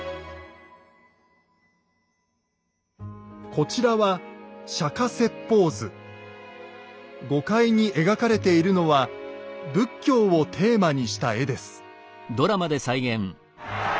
こちらは５階に描かれているのは仏教をテーマにした絵です。